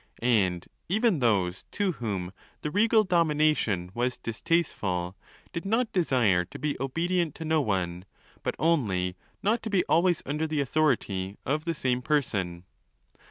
And even those to whom the regal domination was distasteful, did not desire to be obedient to no one, but only not to be always under the authority of the same person.